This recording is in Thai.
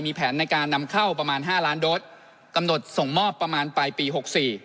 มีแผนในการนำเข้าประมาณห้าล้านโดสกำหนดส่งมอบประมาณปลายปีหกสี่